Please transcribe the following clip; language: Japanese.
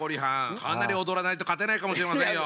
かなり踊らないと勝てないかもしれませんよ。